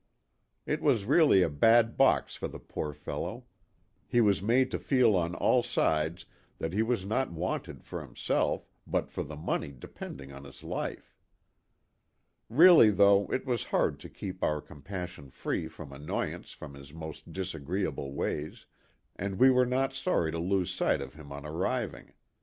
125 It was really a bad box for the poor fellow ; he was made to feel on all sides that he was not wanted for himself but for the money depending on his life. Really though it was hard to keep our com passion free from annoyance from his most disagreeable ways, and we were not sorry to lose sight of him on arriving.